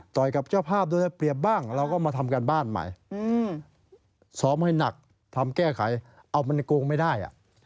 กับเจ้าภาพโดยเปรียบบ้างเราก็มาทำการบ้านใหม่ซ้อมให้หนักทำแก้ไขเอามันโกงไม่ได้